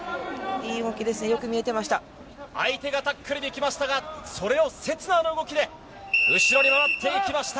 いい動きです、よく見えてま相手がタックルに来ましたが、それを刹那の動きで、後ろに回っていきました。